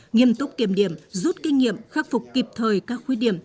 nghiêm túc kiểm điểm rút kinh nghiệm khắc phục kịp thời các khuyết điểm